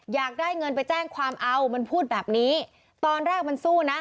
อยากได้เงินไปแจ้งความเอามันพูดแบบนี้ตอนแรกมันสู้นะ